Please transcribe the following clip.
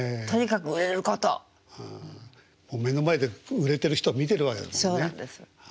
もう目の前で売れてる人を見てるわけだもんね。